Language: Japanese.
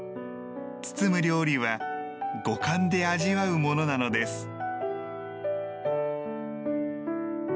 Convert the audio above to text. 包む料理は五感で味わうものなのです。